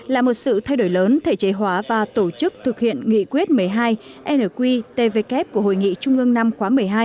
là một sự thay đổi lớn thể chế hóa và tổ chức thực hiện nghị quyết một mươi hai nqtvk của hội nghị trung ương năm khóa một mươi hai